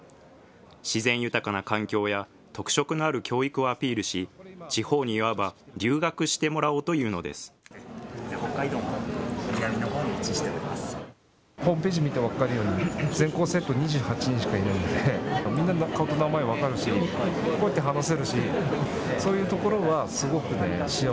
自然豊かな環境や、特色のある教育をアピールし、地方にいわば留学してもらおうというのです。